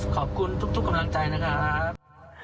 ขอบคุณทุกกำลังใจนะครับ